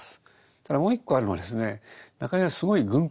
ただもう一個あるのはですねええ！